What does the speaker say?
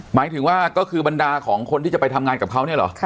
หมายถึงว่าก็คือบรรดาของคนที่จะไปทำงานกับเขาเนี่ยเหรอ